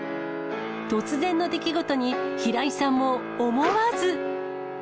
突然の出来事に平井さんも思わず。